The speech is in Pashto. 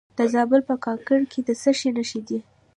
د زابل په کاکړ کې د څه شي نښې دي؟